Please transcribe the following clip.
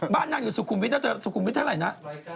บ้านนางอยู่สุขุมวิทน่าจะสุขุมวิทย์เท่าไหร่นะ